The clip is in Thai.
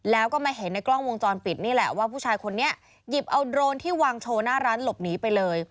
แล้วก็มาเห็นในกล้องวงจรปิดนี่แหละว่าผู้ชายคนนี้หยิบเอาโดรนที่วางโชว์หน้าร้านหลบหนีไปเลย